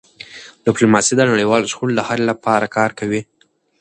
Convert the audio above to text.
ډيپلوماسي د نړیوالو شخړو د حل لپاره کار کوي.